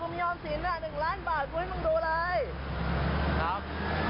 มึงอย่าเกลียวมึงไม่ได้แก้วมีคนยังกลัว